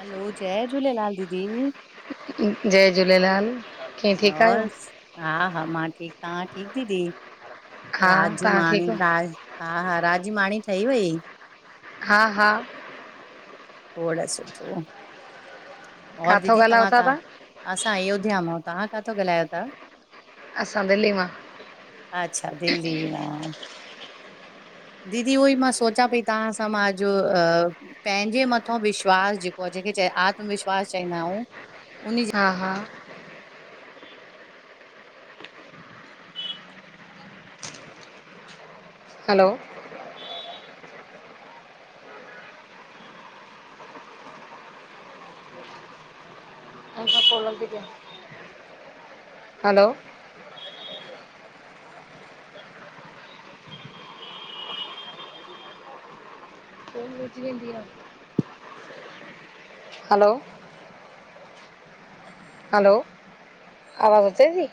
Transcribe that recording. हलो जय झूलेलाल! दीदी। जय झूलेलाल! कीअं ठीकु और आहियो? हा, हा, मां ठीक आं, ठीक दीदी हा राज तव्हां ठीकु माणीदां हा, हा, रात जी माणी ठही वई। हा, हा खोड़ सुठो, और किथां दीदी ॻाल्हायो तव्हां था खां असां अयोध्या मां, तव्हां काथा ॻाल्हायो ता? असां दिल्ली मां। अच्छा, दिल्ली मां। दीदी उहो ई मां सोचां पई, तव्हां सां मां अज पैंजे मथों विश्वास जेको आ जेंखे आत्मविश्वास चईंदा आयूं, उन्ही जी हा, हा, हलो, हलो, रची वेंदी आ। हलो, हलो, आवाज़ अचे थी?